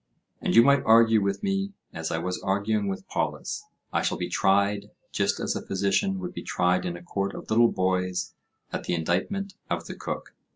And you might argue with me, as I was arguing with Polus:—I shall be tried just as a physician would be tried in a court of little boys at the indictment of the cook.